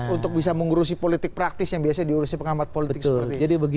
untuk bisa mengurusi politik praktis yang biasa diurusi pengamat politik